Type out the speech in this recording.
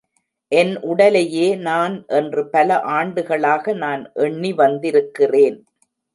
என் உடலையே நான் என்று பல ஆண்டுகளாக நான் எண்ணி வந்திருக்கிறேன்.